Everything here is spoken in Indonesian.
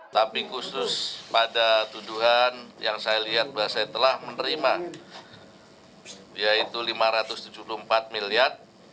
tapi khusus pada tuduhan yang saya lihat bahwa saya telah menerima yaitu rp lima ratus tujuh puluh empat miliar